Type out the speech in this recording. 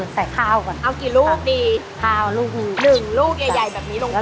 ย้ำเลยค่ะหนูขอพลุกเข้าไปยำเองได้มั้ยคะแม่